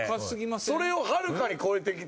それをはるかに超えてきて。